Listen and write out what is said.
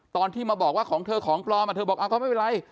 ตอนที่มาบอกว่าของเธอของปลอมเธอบอกเขาไม่เป็นไร